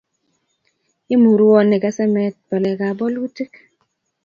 imurwoni kesemee balekab bolutik